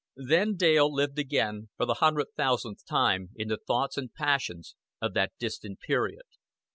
XXX Then Dale lived again for the hundred thousandth time in the thoughts and passions of that distant period.